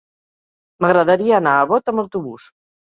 M'agradaria anar a Bot amb autobús.